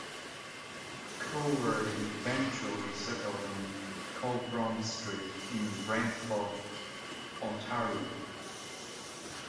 Cowherd eventually settled on Colborne Street in Brantford, Ontario.